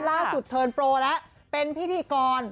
ล่าสุดเทิร์นโปรแล้วเป็นพิธีกร